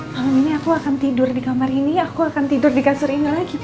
malam ini aku akan tidur di kamar ini aku akan tidur di kasur ini lagi